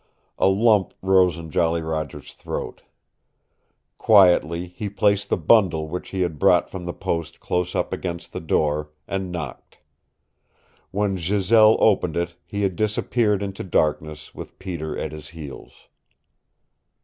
A lump rose in Jolly Roger's throat. Quietly he placed the bundle which he had brought from the post close up against the door, and knocked. When Giselle opened it he had disappeared into darkness, with Peter at his heels.